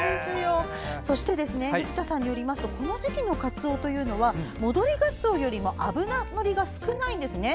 そして、藤田さんによりますとこの時期のカツオというのは戻りガツオよりも脂ののりが少ないんですね。